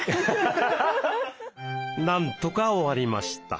なんとか終わりました。